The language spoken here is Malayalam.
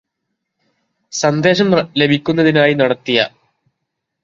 സന്ദേശം ലഭിക്കുന്നതിനായി നടത്തിയ